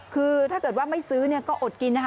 คือถ้าเกิดว่าไม่ซื้อก็อดกินนะคะ